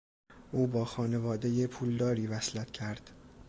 او با خانوادهی پولداری وصلت کرد.